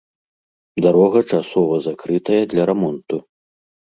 Дарога часова закрытая для рамонту.